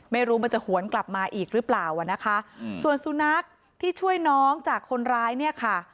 ไม่รู้มันจะหวนกลับมาอีกหรือเปล่าอ่ะนะคะส่วนสุนัขที่ช่วยน้องจากคนร้ายเนี่ยค่ะ